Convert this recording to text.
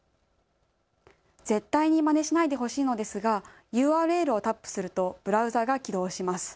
絶対にまねしないでほしいのですがＵＲＬをタップするとブラウザが起動します。